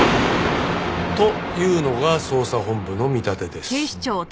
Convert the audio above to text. というのが捜査本部の見立てです。